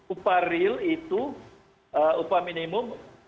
upah real itu upah minimum